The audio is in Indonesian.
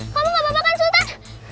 kamu gak apa apa kan sultan